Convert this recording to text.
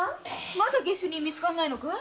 まだ下手人見つかんないのかい？